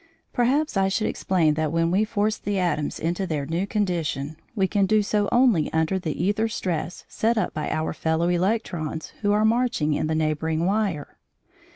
Perhaps I should explain that when we force the atoms into their new condition, we can do so only under the æther stress set up by our fellow electrons who are marching in the neighbouring wire.